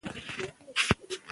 ټیم بدیلونه وڅېړل.